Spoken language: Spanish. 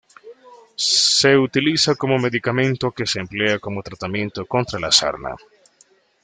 Se utiliza como medicamento que se emplea como tratamiento contra la sarna.